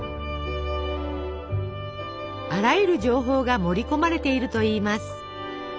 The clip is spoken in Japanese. あらゆる情報が盛り込まれているといいます。